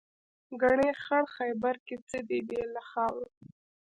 ګنې خړ خیبر کې څه دي بې له خاورو.